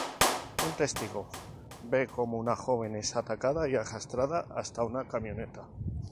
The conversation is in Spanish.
Un testigo ve cómo una joven es atacada y arrastrada hasta una camioneta.